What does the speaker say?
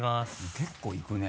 結構いくね。